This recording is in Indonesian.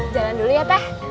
jalan dulu ya teh